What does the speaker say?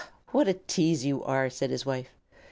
"What a tease you are!" said his wife.